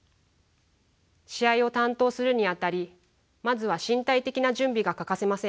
試合を担当するにあたりまずは身体的な準備が欠かせません。